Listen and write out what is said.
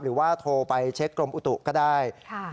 หรือว่าโทรไปเช็คกรมอุตุก็ได้